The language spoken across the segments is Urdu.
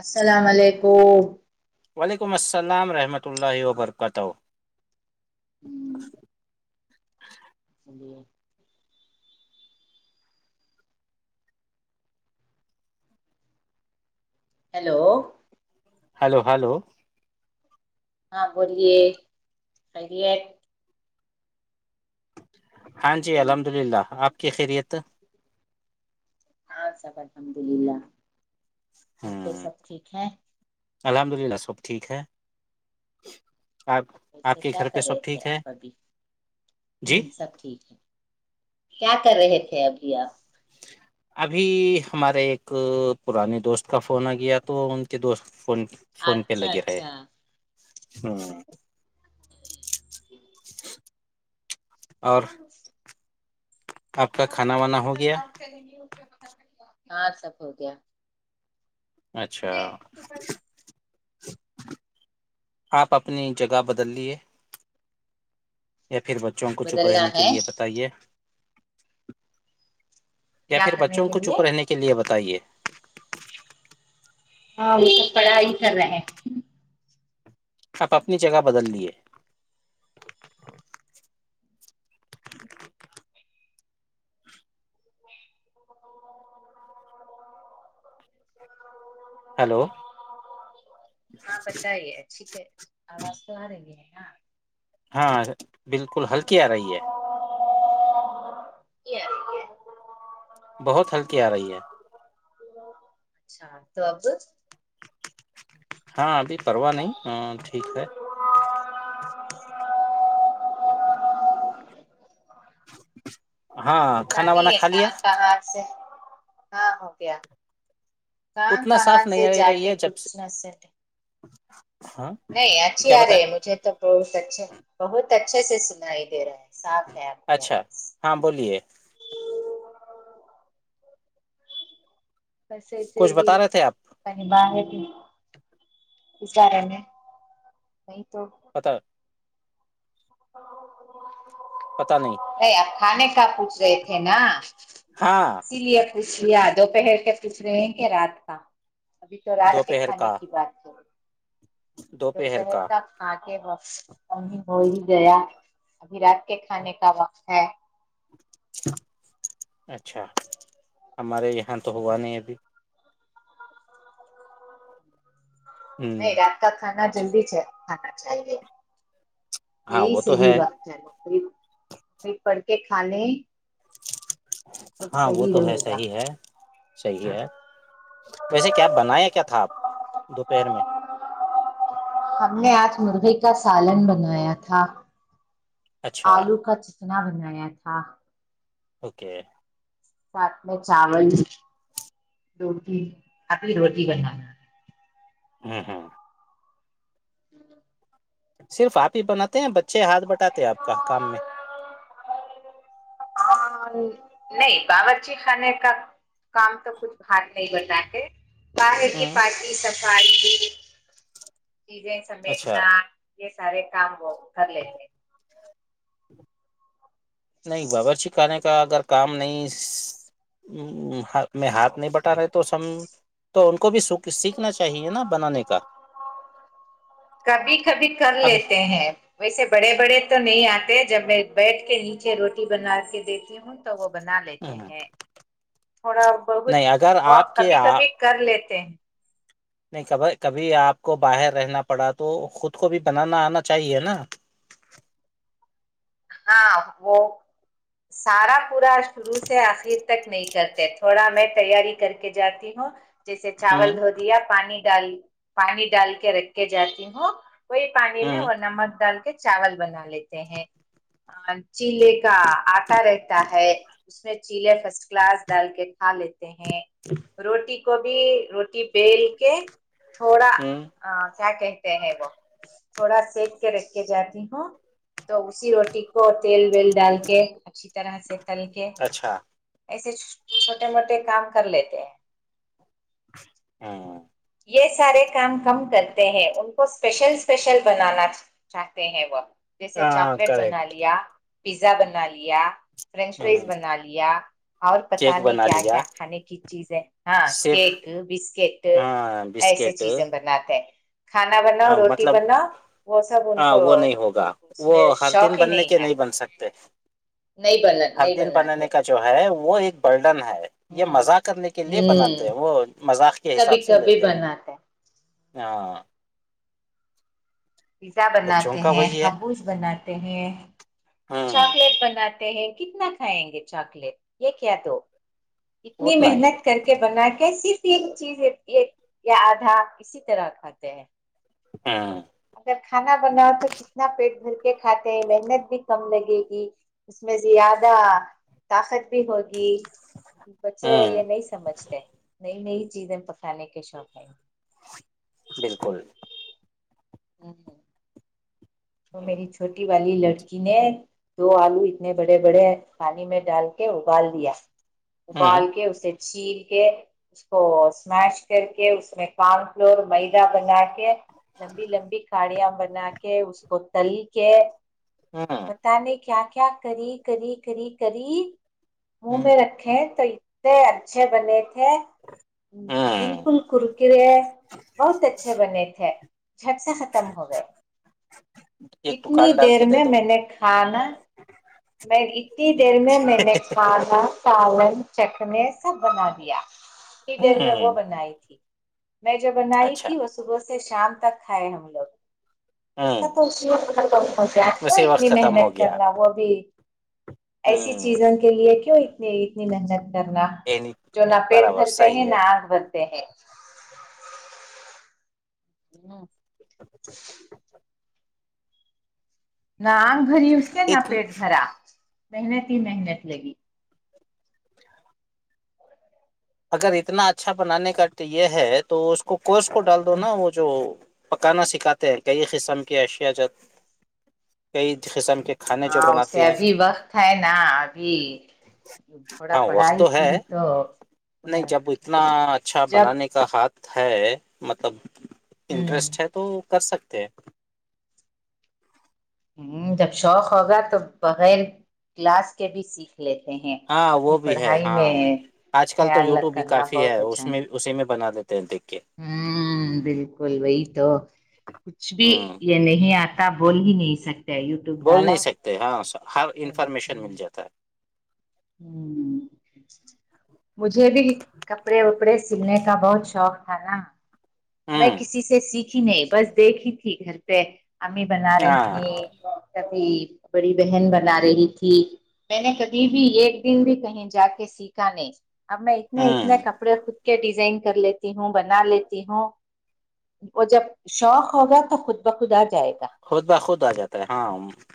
السلام علیکم وعلیکم السلام رحمۃ اللہ وبرکاتہ ہوں جی ہیلو ہلو ہلو ہاں بولیے خیریت ہاں جی الحمد للہ آپ کی خیریت ہاں سب الحمد للہ گھر پہ ہوں سب ٹھیک ہیں الحمد للہ سب ٹھیک ہے آپ آپ اسسے کے کیا گھر پہ کر رہے سب تھے ٹھیک ہے آپ ابھی جی ہوں سب ٹھیک ہے کیا کر رہے تھے ابھی آپ ابھی ہمارے ایک پرانے دوست کا فون آ گیا تو ان کے دوست فون فون پے اچھا لگے رہ اچھا ہوں اور ار آپ کا کھانا وانا ہو گیا ہاں سب ہو گیا اچھا آپ اپنی جگہ بدل لیے یا پھر بچوں کو چپ بدلنا رہنے کے ہے لیے بتائیے یا پھر بچوں کو چپ رہنے کے لیے بتائیے ہاں وہ تو پڑا ہی کر رہے ہیں آپ اپنی جگہ بدل دیے ہیلو ہاں بتائیے اچھی تو آواز تو آ رہی ہے ہاں ہاں بالکل ہلکی آ رہی ہے [unintelligible] بہت ہلکی آ رہی ہے اچھا تو اب ہاں ابھی پرواہ نہیں ٹھیک ہے ہاں کھانا وانا نہیں ہے کھا لیا کہاں کہ ہات سے ہاں ہو گیا کہاں اتنا کہاں صاف نہیں سے جا کے کچھ نہ سٹ ہچ نہیں اچھی آ رہی ہے مجھے تو بہت اچھے بہت اچھے سے سنائی دے رہا ہے صاف ہے آپ کی اچھا آواز ہاں بولیے بسیس کچھ گ بتا رہے تھے آپ پنی باہر بھی بچار میں نہیں تو پتا پتا نہیں نہیں آپ کھانے کا پوچھ رہے تھے نا ہاں اسی لیے کچھ یادو پہر کے کچھ رہیں گے رات کا ابھی تو راات کے دوپہر کھانے کا کی بات ہے دوپہر کا کھا کے وقت پسانی ہو ہی جیا ابھی رات کے کھانے کا وقت ہے اچھا ہمارے یہاں تو ہوا نہیں ابھی ہ نہیں رات کا کھانا جلدی کھانا چاہیے ہاں یہی وہ تو صحیح ہے بات قری قریب پڑ کے کھانے ہاں وہ تو ہے رہے گا صحیح ہے صحیح ہے ویسے کیا بنایا کیا تھا آپ دوپہر میں ہم نے آج مرغی کا سالن بنایا تھا اچھا آلو کا اتنا بنایا تھا اوکے سات میں چاول دوٹی آنی روٹی بنا ہاں ہاں [inaudible] صرف آپ ہی بناتے ہیں بچے ہاتھ بٹاتے ہیں آپ کا کام میں نہیں باورچی خانے کا کام تو کچھ ہات نہیں بن ہے باہر کی ہوں پارٹی سفائی ڈیز اچھا سمیٹنا یہ سارے کام وہ کر لیتے ہیں نہیں باورچ خانے کا اگر کام نہیں میں ہاتھ نہیں بٹ ے تو س تو ان کو بھی س سیکھنا چاہیے نا بنانے کا کبھی کبھی کر ابھی لیتے ہیں ویسے بڑے بڑے تو نہیں آتے جب میں بیٹھ کے نیچے روٹی بنا کے دیتی ہوں تو وہ بنا لیتے ہوں، ہیں تھوڑا نہیں اگر آپ بہت کے کبھی آپ کبھی کر لیتے ہیں نہیں کب کبھی آپ کو باہر رہنا پڑا تو خود کو بھی بنانا آنا چاہیے نا ہاں وہ سارا پورا شروع سے آخر تک نہیں کرتے تھوڑا میں تیاری کر کے جاتی ہوں جیسے چاول ہوں دھو دیا پانی ڈال پانی ڈال کے رکھے جاتی ہوں وہی پانی ہوں میں وہ نمک ڈال کے چاول بنا لیتے ہیں چیلے کا آٹا رہتا ہے اس میں چیلے فرسٹ کلاس ڈال کے کھا لیتے ہیں روٹی کو بھی روٹی بیل کے تھوڑا ہوں کیا کہتے ہیں وہ تھوڑا سیک کے رکھ کے جاتی ہوں تو اسی روٹی کو تیل ویل ڈال کے اچھی طرح سے تل کے اچھا ایسے چھوٹے موٹے کام کر لیتے ہیں ہاں یہ سارے کام کم کرتے ہیں ان کو اسپیشل اسپیشل بنانا چاہتے ہیں وہ جیسے ہاں چاکلیٹ بنا کریکٹ لیا پیزا بنا لیا فرینچ فرائیز بنا لیا اور پت کیک نہیں بنا کیا لیا کیا کھانے کی چیزیں ہاں صرف کیک بسکٹ ہاں ایسے بسکٹ چیزیں بناتے ہیں کھانا بناؤ آ، روٹی مطلب بناؤ وہ سب ان ہاں کو وہ نہیں ہوگا اس وہ میں ہر شوق دن ہی بننے نہیں کے ہے بن سکتے نہیں بنا ہر نہیں دن بناتے بنے کا جو ہے وہ ایک برڈن ہے یہ ہ مزاق کرنے کے لے ہ بناتے ہیں وہ مذاق کے کبھی حساب سے کبھی لیتے ہیں بناتے ہاں پیزا بچوں بناتے کا ہیں وہی ہے حبوز بناتے ہیں ہوں چاکلیٹ بناتے ہیں کتنا کھائیں گے چاکلیٹ یہ کیا دو اتنی اتنا ہی محنت کر کے بنا کے صرف چیز یا آدھا اسی طرح کھاتے ہیں ہاں [inaudible] اگر کھانا بناؤ تو کتنا پیٹ بھر کے کھاتے ہیں محنت بھی کم لگے گی اس میں سے زیادہ طاقت بھی ہوگی بچے یہ ہوں نہیں سمجھتے نئی نئی چیزیں پسانے کے شوق ہے بالکل تو ہوں میری چھوٹی والی لڑکی نے دو آلو اتنے بڑے بڑے پانی میں ڈال کے ابال دیا ہوں ابال کے اسے چھیل کے اس کو اسمیش کر کے اس میں کن فلور میدا بنا کے لی لمبی کاڑیاں بنا کے اس کو تل کے ہاں [inaudible] بتا نے کیا کیا کری کری کری کری منہ میں رکھیں تو تھ اچھے بنے تھے ہوں بالکل کرکرے بہت اچھے بنے تھے جھٹ سے ختم ہو گئے ایک کتنی دکان ڈال دیر کے دے میں دو میں نے کھانا میں اتنی دیر میں میں نے سھا سالن چکھنے سب بنا دیا ہی دیر میں وہ ہوں بنائی تھی میں جو بنائی اچھا تھی وہ صبح سے شام تک کھائے ہم لوگ اس کا ہوں تو آپ کو اسی وقت اتنی ختم ہو محنت گیا کر وہ بھی ایسی ہوں چیزوں کے لیے کیوں اتنی اتنی محنت ڈھرنا اینی- جو نہ پیٹ برابر بھرتے ہے صحیح نہ آگ بھرتے ہیں ہ نہ آنگ بھری اس سے نہ اتنا پیٹ بھرا محنت ہی محنت لگی اگر اتنا اچھا بنانے کا تو یہ ہے تو اس کو کورس کو ڈال دو نا وہ جو پکانا سکھاتے ہیں کئی قسم کے اشیاء کئی قسم کے کھانے جو ہاں اس سے بناتے ہیں ابھی وقت ہے نا ابھی تھوڑا ہاں وقت پڑھائی تو کی ہے تو نہیں ہے جب اتنا اچھا جب بنانے کا ہاتھ ہے مطلب ہوں انٹرسٹ ہے تو کر سکتے ہیں جب شوق ہوگا تو بغیر کلاس کے بھی سیکھ لیتے ہیں ہاں وہ ابھی بھی ہے پڑھائی ہاں میں آج کل تو خیال یوٹیوب بھی کرنا کافی ہے بہت اس میں اسی میں بنا دیتا [inaudible] ہوں بالکل وہی تو کچھ بھی ہوں یہ نہیں آتا بول ہی نہیں سکتا یو ٹیوب دالا ہاںر ہر انفارمیشن مل جاتا ہے ہوں [inaudible] مجھے بھی کپڑے وپڑے سلنے کا بہت شوق تھا نا ہے میں ہوں کسی سے سیکھی نہیں بس دیکھھی تھی گھر پہ امی بنا رہی ہاں تھیں کبھی بڑی بہن بنا رہی تھی میں نے کبھی بھی ایک دن بھی کہیں جا کے سیکھا نہیں اب میں اتنے اتنے ہوں کپڑے خود کے ڈیزائن کر لیتی ہوں بنا لیتی ہوں وہ جب شوق ہوگا تو خود بخود آ جائے گا خود باخود آ جاتا ہے ہاں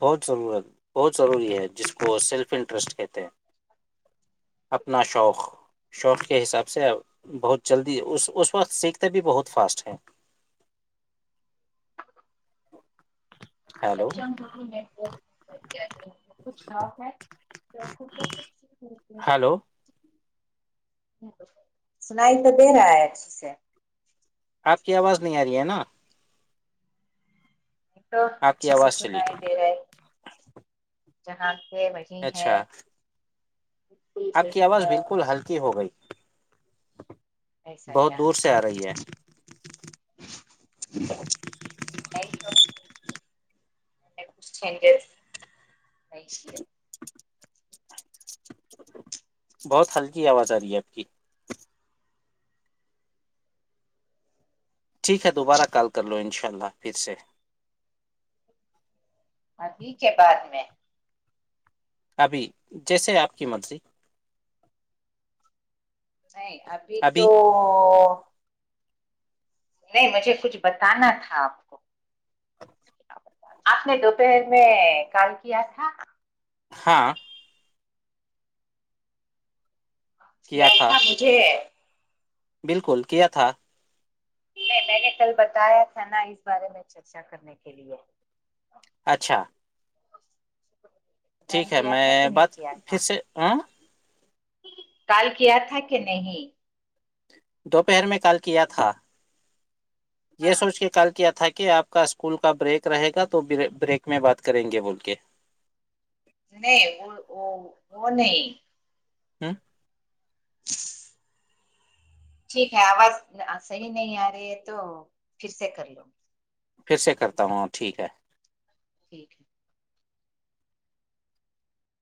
بہت ضرورت بہت ضروری ہے جس کو سیلف انٹرسٹ کہتے ہیں اپنا شوق شوق کے حساب سے بہت جلدی اس اس وقت سیکھتے بھی بہت فاسٹ ہیں ہیلو بچ ہے فس ہوتے ہلو سنائی تو دے رہا ہے اس سے آپ کی آواز نہیں آ رہی ہے نا یہ تو آپ کی اچھے سے آواز چلی سنائی دے رہے ہے جہاں کے اچھا بالکل آپ کی صحیح آواز ہے بالکل ہلکی ہو گئی ایسا بہت کیا دور سے آ رہی ہے [inaudible] چھ چینج بہت ہلکی آواز آ رہی ہے آپ کی ٹھیک ہے دوبارہ کال کر لو ان شاء اللہ پھر سے ہاں ٹھیک ہے بعد میں ابھی جیسے آپ کی منتری نہیں ابھی تو نہیں مجھے کچھ بتانا تھا آپ کو آپ نے دوپہر میں کال کیا تھا ہاں تھا مجھے بالکل کیا تھا نہیں میں نے کل بتایا تھا نا اس بارے میں چرچا کرنے کے لیے اچھا [inaudible] ٹھیک ہے کیا میں تھا کہ نہیں بات کیا پھر تھا سے ہاں کال کیا تھا کہ نہیں دوپہر میں کال کیا تھا یہ ہاں سوچ کے کال کیا تھا کہ آپ کا اسکول کا بریک رہے گا تو بریک میں بات کریں گے بول کے نہیں وہ وہ وہ نہیں ہ [inaudible] ٹھیک ہے آواز صحیح نہیں آ رہی ہے تو پھر سے کر لو پھر سے کرتا ہوں ٹھیک ہے جییک